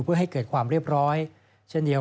เพื่อให้เกิดความเรียบร้อย